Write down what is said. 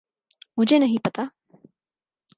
مجھے نہیں پتہ۔